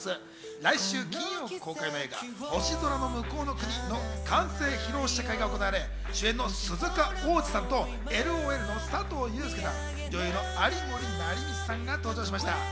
来週金曜公開の映画『星空のむこうの国』の完成披露試写会が行われ、主演の鈴鹿央士さんとｌｏｌの佐藤友祐さん、女優の有森也実さんが登場しました。